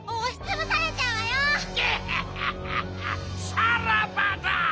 さらばだ！